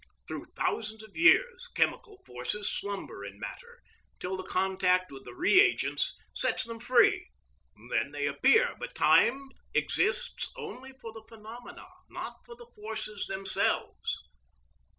Through thousands of years chemical forces slumber in matter till the contact with the reagents sets them free; then they appear; but time exists only for the phenomena, not for the forces themselves.